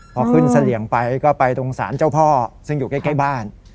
พอขึ้นเสลี่ยงไปก็ไปตรงศาลเจ้าพ่อซึ่งอยู่ใกล้บ้าน